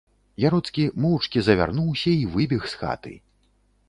Яроцкі моўчкі завярнуўся й выбег з хаты.